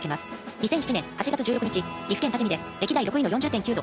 ２００７年８月１６日岐阜県多治見で歴代６位の４０．９度。